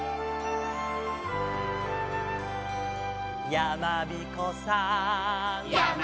「やまびこさん」